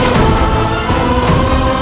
kau akan menang